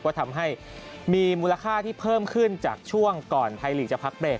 ก็ทำให้มีมูลค่าที่เพิ่มขึ้นจากช่วงก่อนไทยลีกจะพักเบรก